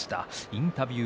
インタビュー